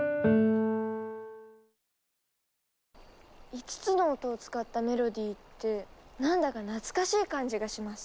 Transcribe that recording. ５つの音を使ったメロディーって何だか懐かしい感じがします。